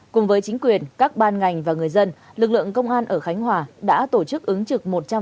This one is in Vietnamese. cùng với chính quyền các ban ngành và người dân lực lượng công an ở khánh hòa đã tổ chức ứng trực một trăm linh